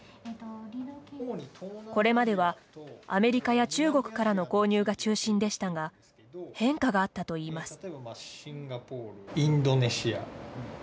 これまではアメリカや中国からの購入が中心でしたが変化があったといいます。